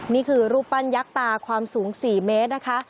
นี่คือรูปปั้นยักษ์ตาความสูง๔เมตรนะคะ